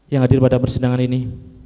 yang hadir pada persidangan ini